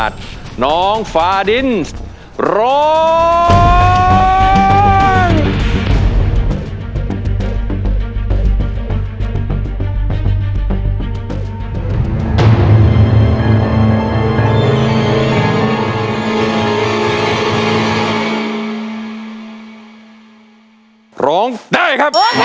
ร้องได้ครับ